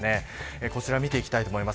こちら見ていきたいと思います。